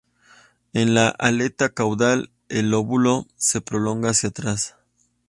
En la aleta caudal, el lóbulo se prolonga hacia atrás.